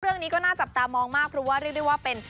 เรื่องนี้ก็น่าจับตามองมากเพราะว่าเรียกได้ว่าเป็น